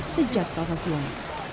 sejak selasa siang